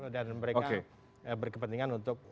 dan mereka berkepentingan untuk